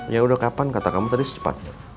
ya udah kapan kata kamu tadi secepatnya